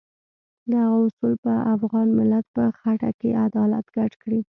دغه اصول په افغان ملت په خټه کې عدالت ګډ کړی.